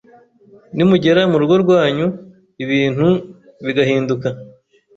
nimugera mu rugo rwanyu ,ibintu bigahinduka ,